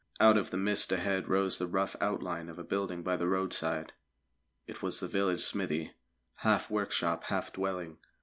Out of the mist ahead rose the rough outline of a building by the roadside; it was the village smithy, half workshop, half dwelling.